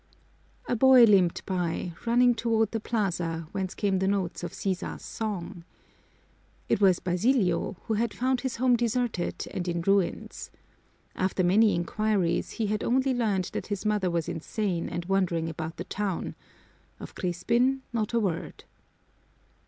A boy limped by, running toward the plaza, whence came the notes of Sisa's song. It was Basilio, who had found his home deserted and in ruins. After many inquiries he had only learned that his mother was insane and wandering about the town of Crispin not a word.